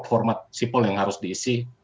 format sipol yang harus diisi